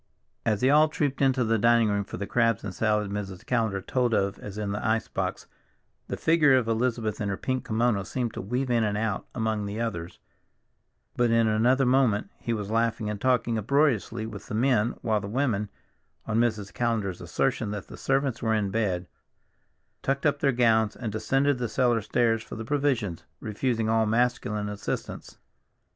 As they all trooped into the dining room for the crabs and salad Mrs. Callender told of as in the ice box, the figure of Elizabeth in her pink kimono seemed to weave in and out among the others, but in another moment he was laughing and talking uproariously with the men, while the women, on Mrs. Callender's assertion that the servants were in bed, tucked up their gowns and descended the cellar stairs for the provisions, refusing all masculine assistance.